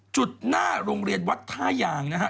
หน้าโรงเรียนวัดท่ายางนะฮะ